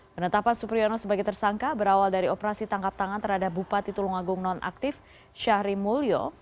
penetapan supriyono sebagai tersangka berawal dari operasi tangkap tangan terhadap bupati tulungagung nonaktif syahri mulyo